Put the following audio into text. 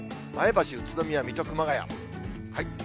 前橋、宇都宮、水戸、熊谷。